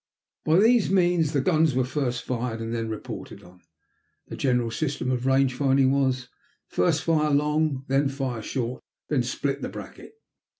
By these means the guns were first fired and then reported on. The general system of range finding was: "First fire long, then fire short, then split the bracket."